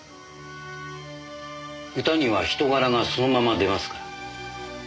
歌には人柄がそのまま出ますから。